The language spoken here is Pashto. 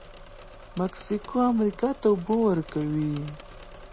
مکسیکو امریکا ته اوبه ورکوي.